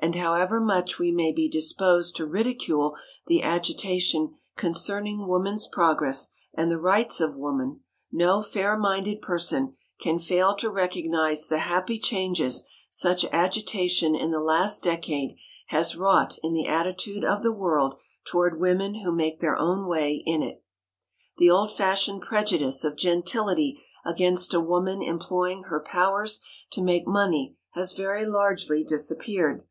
And however much we may be disposed to ridicule the agitation concerning woman's progress and the rights of woman, no fair minded person can fail to recognize the happy changes such agitation in the last decade has wrought in the attitude of the world toward women who make their own way in it. The old fashioned prejudice of gentility against a woman employing her powers to make money has very largely disappeared.